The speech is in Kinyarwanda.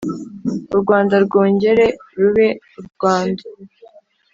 Urwanda rwongere rube Urwanda